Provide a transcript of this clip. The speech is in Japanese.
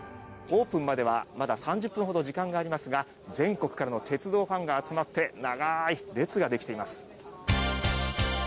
オープンまではまだ３０分ほど時間がありますが全国からの鉄道ファンが集まって長い列を作っています。